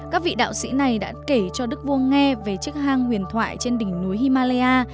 các vị đạo sĩ này đã kể cho đức vua nghe về chiếc hang huyền thoại trên đỉnh núi himalaya